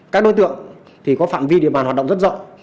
các đối tượng thì có phạm vi địa bàn hoạt động rất rộng